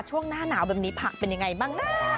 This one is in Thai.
ช่วงหน้าหนาวแบบนี้ผักเป็นยังไงบ้างนะ